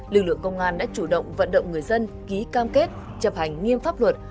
lực lượng công an đã chủ động vận động người dân ký cam kết chập hành nghiêm pháp luật